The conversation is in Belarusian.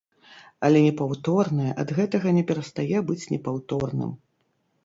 Але непаўторнае ад гэтага не перастае быць непаўторным.